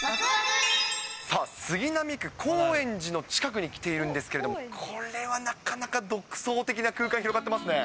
さあ、杉並区高円寺の近くに来ているんですけれども、これはなかなか独創的な空間、ひろがってますね